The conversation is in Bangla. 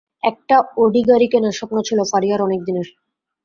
একটা অডি গাড়ি কেনার স্বপ্ন ছিল ফারিয়ার অনেক দিনের।